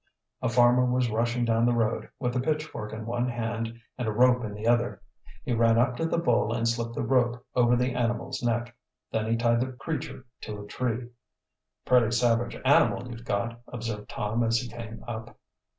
A farmer was rushing down the road, with a pitchfork in one hand and a rope in the other. He ran up to the bull and slipped the rope over the animal's neck. Then he tied the creature to a tree. "Pretty savage animal you've got," observed Tom as he came up.